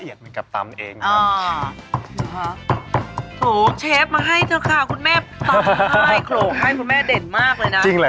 สุดยอดมากเลยครับหรือแม่เหนือเนื้อแม่มันก็เด้นค่ะตรงนี้